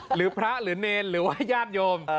หรือพระหรือเนรหรือว่าญาติโยม